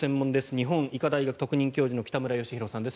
日本医科大学特任教授の北村義浩さんです